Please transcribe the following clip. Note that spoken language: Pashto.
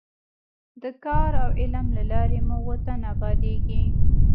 د کار او علم له لارې مو وطن ابادېږي.